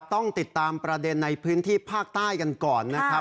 ต้องติดตามประเด็นในพื้นที่ภาคใต้กันก่อนนะครับ